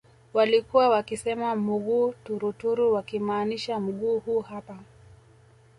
Walkuwa wakisema Mughuu turuturu wakimaanisha mguu huu hapa